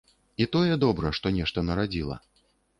І тое добра, што нешта нарадзіла.